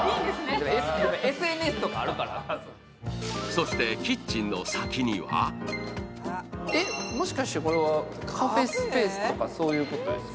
そしてキッチンの先にはもしかして、これはカフェスペースとかそういうことですか？